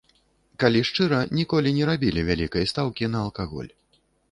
Калі шчыра, ніколі не рабілі вялікай стаўкі на алкаголь.